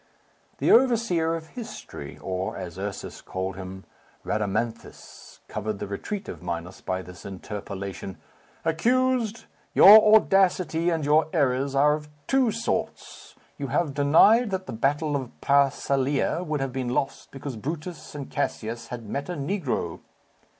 The overseer of history, or, as Ursus called him, Rhadamanthus, covered the retreat of Minos by this interpolation, "Accused! your audacity and your errors are of two sorts. You have denied that the battle of Pharsalia would have been lost because Brutus and Cassius had met a negro."